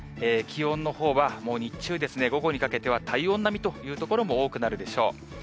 気温のほうは、もう日中、午後にかけては体温並みという所も多くなるでしょう。